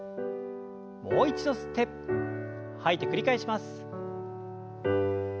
もう一度吸って吐いて繰り返します。